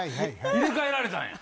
入れ替えられたんや。